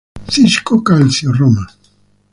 Cisco Calcio Roma.